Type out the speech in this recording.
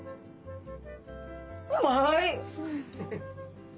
うまい！